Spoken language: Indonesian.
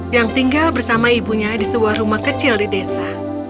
yang tinggal bersama ibunya di sebuah rumah kecil di desa